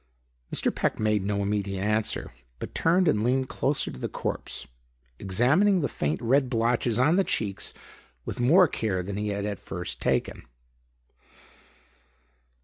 Mr. Peck made no immediate answer, but turned and leaned closer to the corpse, examining the faint red blotches on the cheeks with more care than he had at first taken.